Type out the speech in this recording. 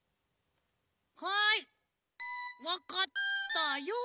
はいわかったよ！